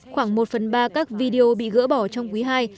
khoảng một phần ba các video bị gỡ bỏ trong quý ii